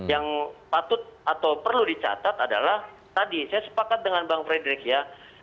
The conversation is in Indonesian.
yang patut atau perlu dicatat adalah tadi saya sepakat dengan bang frederick ya